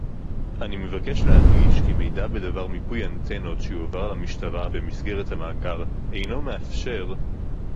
אני מבקש להדגיש כי מידע בדבר מיפוי אנטנות שיועבר למשטרה במסגרת המאגר אינו מאפשר